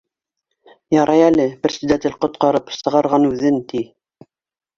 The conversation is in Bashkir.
Ярай әле предсе датель ҡотҡарып сығарған үҙен, ти